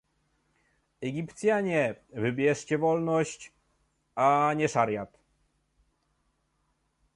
Egipcjanie, wybierzcie wolność, nie szariat!